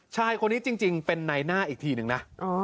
ชายคนนี้จริงเป็นในหน้าอีกทีนึงนะ